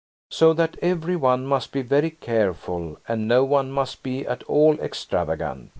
So that every one must be very careful, and no one must be at all extravagant.